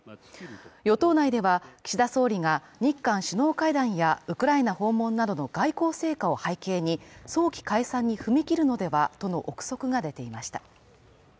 与党内では岸田総理が日韓首脳会談やウクライナ訪問などの外交成果を背景に、早期解散に踏み切るのではとの憶測が出ていました。